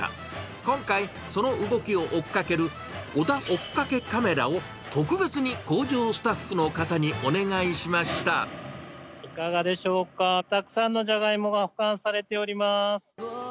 今回、その動きを追っかける小田追っかけカメラを、特別に工場スタッフいかがでしょうか、たくさんのジャガイモが保管されております。